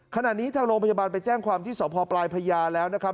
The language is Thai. ขณะนี้ทางโรงพยาบาลไปแจ้งความที่สพปลายพญาแล้วนะครับ